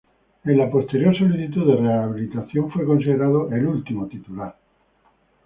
En la posterior solicitud de rehabilitación, fue considerado el último titular.